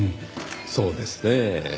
そうですねぇ。